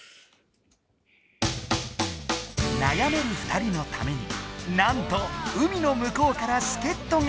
なやめるふたりのためになんと海のむこうからすけっとが！